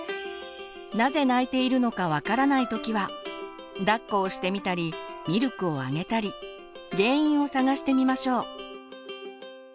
なぜ泣いているのか分からない時はだっこをしてみたりミルクをあげたり原因を探してみましょう。